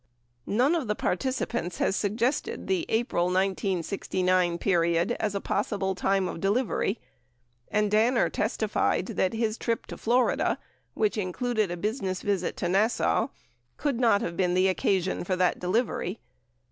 None of the participants has suggested the April 1969 period as a possible time of delivery, and Danner testified that his trip to Florida, which included a business visit to Nassau, could not have been the oc casion for delivery.